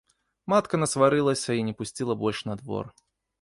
Матка насварылася і не пусціла больш на двор.